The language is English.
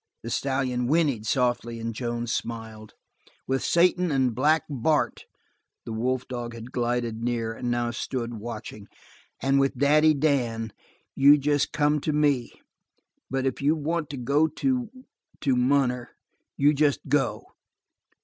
The stallion whinnied softly, and Joan smiled. "With Satan and Black Bart" the wolf dog had glided near, and now stood watching "and with Daddy Dan, you just come to me. But if you want to go to to Munner, you just go."